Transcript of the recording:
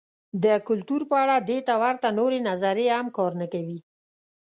د کلتور په اړه دې ته ورته نورې نظریې هم کار نه ورکوي.